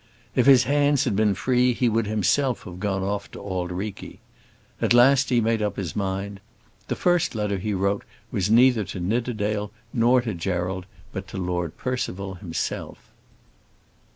If his hands had been free he would himself have gone off to Auld Reikie. At last he made up his mind. The first letter he wrote was neither to Nidderdale nor to Gerald, but to Lord Percival himself.